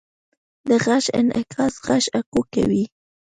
د غږ انعکاس غږ اکو کوي.